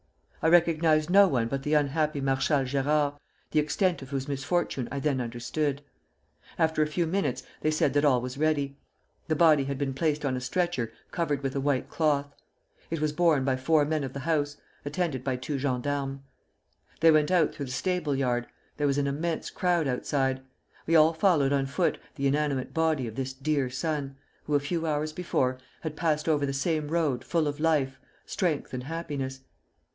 I recognized no one but the unhappy Marshal Gérard, the extent of whose misfortune I then understood. After a few minutes they said that all was ready. The body had been placed on a stretcher covered with a white cloth. It was borne by four men of the house, attended by two gendarmes. They went out through the stable yard; there was an immense crowd outside.... We all followed on foot the inanimate body of this dear son, who a few hours before had passed over the same road full of life, strength, and happiness....